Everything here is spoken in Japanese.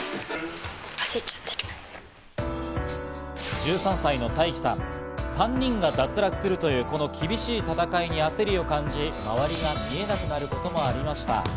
１３歳のタイキさん、３人が脱落するというこの厳しい戦いに焦りを感じ、周りが見えなくなることもありました。